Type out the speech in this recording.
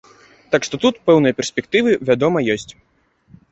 Так што тут пэўныя перспектывы, вядома, ёсць.